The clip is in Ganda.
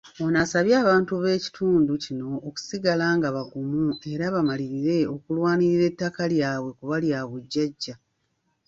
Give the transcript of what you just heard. Ono asabye abantu b’ekitundu kino okusigala nga bagumu era bamalirire okulwanirira ettaka lyabwe kuba lya bujjajja.